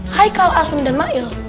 saikal asun dan mail